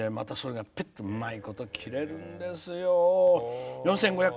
それで、ピッとうまいこと切れるんですよ。